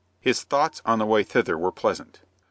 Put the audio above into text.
His thoughts on the way thither were pleasant.